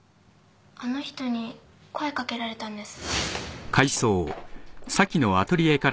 あの人に声掛けられたんです。